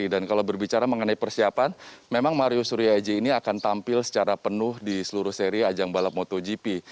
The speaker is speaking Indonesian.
dan kalau berbicara mengenai persiapan memang mario suryo aji ini akan tampil secara penuh di seluruh seri ajang balap motogp